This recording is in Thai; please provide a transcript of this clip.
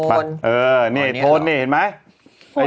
โทนนี่เห็นไหม